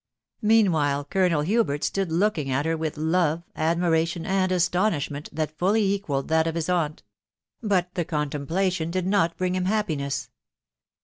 Meanwhile, Colonel Hubert stood looking at her with love, admiration, and astonishment, that fully equalled that of his aunt ; but the contemplation did not bring him happiness.